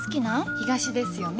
東ですよね？